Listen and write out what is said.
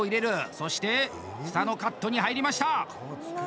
そして房のカットに入りました！